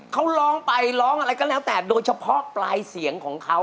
เขาร้องไปร้องอะไรก็แล้วแต่โดยเฉพาะปลายเสียงของเขา